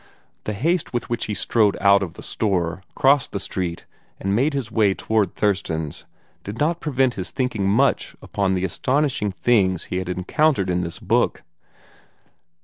The haste with which he strode out of the store, crossed the street, and made his way toward Thurston's, did not prevent his thinking much upon the astonishing things he had encountered in this book.